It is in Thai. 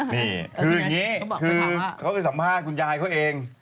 คืออย่างนี้เค้าไปสัมภาษณ์กับคุณยายเค้าเอง